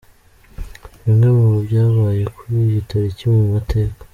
Bimwe mu byabaye kuri iyi tariki mu mateka.